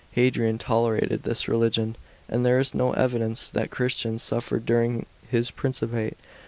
Hadrian tolerated this religion, and there is no evidence that Christians suffered during his principate.